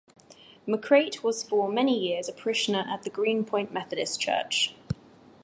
MacCrate was for many years a parishioner at the Greenpoint Methodist Church.